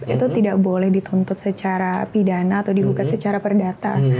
itu tidak boleh dituntut secara pidana atau digugat secara perdata